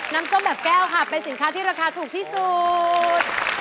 น้ำส้มแบบแก้วค่ะเป็นสินค้าที่ราคาถูกที่สุด